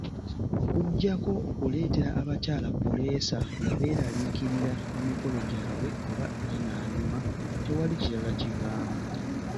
Okuggyako okuleetera abakyala puleesa nga beeraliikirira emikolo gyabwe oba ginaanyuma, tewali kirala kivaamu.